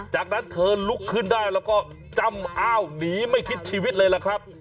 จากนั้นเธอลุกขึ้นได้แล้วก็จำอ้าวหนีไม่คิดชีวิตเลยล่ะครับ